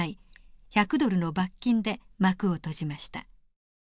１００ドルの罰金で幕を閉じました。